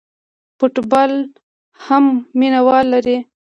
فوټبال هم مینه وال لري.